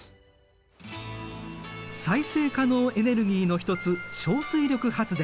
再生可能エネルギーの一つ小水力発電。